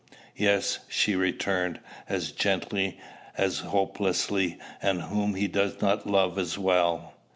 "Yes," she returned, as gently as hopelessly; "and whom he does not love as well."